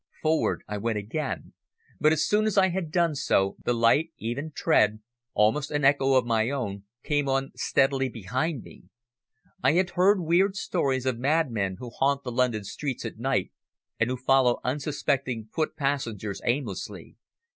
Forward I went again, but as soon as I had done so the light, even tread, almost an echo of my own, came on steadily behind me. I had heard weird stories of madmen who haunt the London streets at night and who follow unsuspecting foot passengers aimlessly.